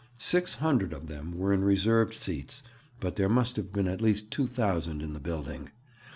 Six hundred of them were in reserved seats, but there must have been at least two thousand in the building.